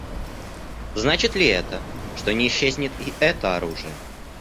Значит ли это, что не исчезнет и это оружие?